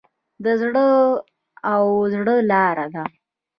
د زړه و زړه لار ده.